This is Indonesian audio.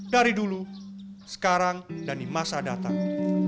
dari dulu sekarang dan di masa datang